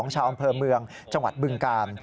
ชาวอำเภอเมืองจังหวัดบึงกาล